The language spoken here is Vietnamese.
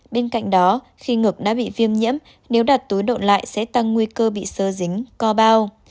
bên cạnh đó khi ngực đã bị viêm nhiễm nếu đặt túi độn lại sẽ tăng nguy cơ bị sơ dính co bao